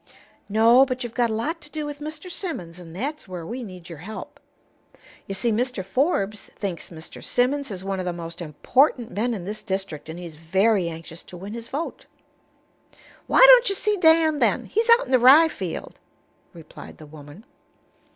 "No; but you've got a lot to do with Mr. Simmons, and that's where we need your help. You see, Mr. Forbes thinks Mr. Simmons is one of the most important men in this district, and he's very anxious to win his vote." "Why don't you see Dan, then? He's out'n the rye field," replied the woman.